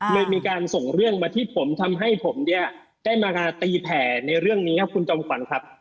เลยมีการส่งเรื่องมาที่ผมทำให้ผมเนี่ยได้มาตีแผ่ในเรื่องนี้ครับคุณจอมขวัญครับ